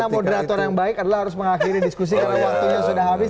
jadi moderator yang baik harus mengakhiri diskusi karena waktunya sudah habis